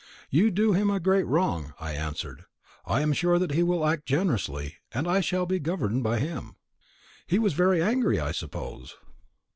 'You do him a great wrong,' I answered. 'I am sure that he will act generously, and I shall be governed by him.'" "He was very angry, I suppose?"